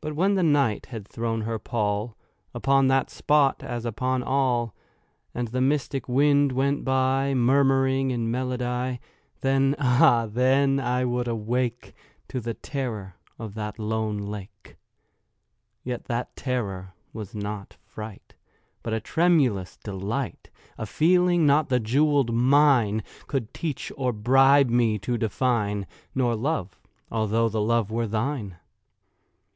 But when the Night had thrown her pall Upon that spot, as upon all, And the mystic wind went by Murmuring in melody— Then—ah then I would awake To the terror of the lone lake. Yet that terror was not fright, But a tremulous delight— A feeling not the jewelled mine Could teach or bribe me to define— Nor Love—although the Love were thine.